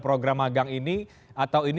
program magang ini atau ini